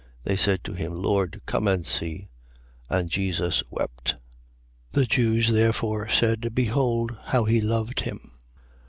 They say to him: Lord, come and see. 11:35. And Jesus wept. 11:36. The Jews therefore said: Behold how he loved him.